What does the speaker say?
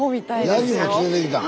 ヤギも連れてきたん